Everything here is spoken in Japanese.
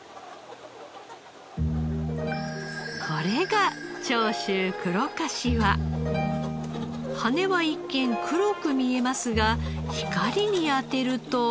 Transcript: これが羽は一見黒く見えますが光に当てると。